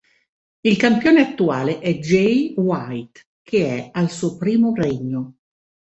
Il campione attuale è Jay White, che è al suo primo regno.